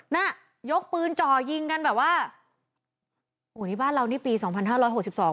น่ะยกปืนจ่อยิงกันแบบว่าโอ้นี่บ้านเรานี่ปีสองพันห้าร้อยหกสิบสอง